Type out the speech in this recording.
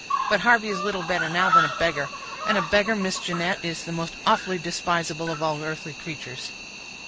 But Harvey is little better now than a beggar; and a beggar, Miss Jeanette, is the most awfully despisable of all earthly creatures."